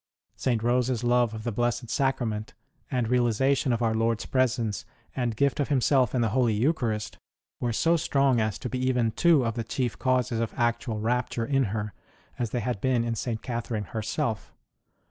St. Rose s love of the Blessed Sacrament, and realization of Our Lord s presence and gift of Himself in the Holy Eucharist, were so strong as to be even two of the chief causes of actual rapture in her, as they had been in St. Catherine herself.